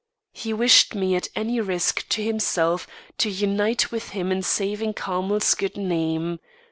He wished me at any risk to himself, to unite with him in saving Carmel's good name.